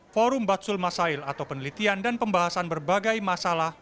forum batsul masail atau penelitian dan pembahasan berbagai masalah